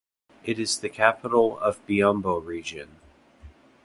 It is the capital of Biombo Region.